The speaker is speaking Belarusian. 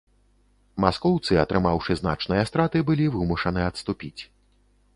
Маскоўцы, атрымаўшы значныя страты, былі вымушаны адступіць.